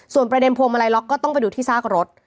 ประเด็นพวงมาลัยล็อกก็ต้องไปดูที่ซากรถ